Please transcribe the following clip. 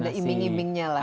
ada iming imingnya lah